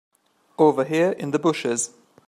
Over here in the bushes.